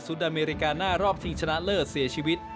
อเมริกาหน้ารอบชิงชนะเลิศเสียชีวิต